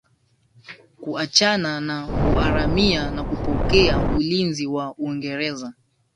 kuachana na uharamia na kupokea ulinzi wa Uingereza